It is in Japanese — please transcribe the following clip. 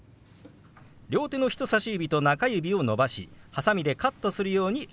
両手の人さし指と中指を伸ばしはさみでカットするように動かします。